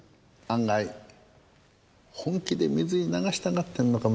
案外本気で水に流したがってるのかもしれねえぜ？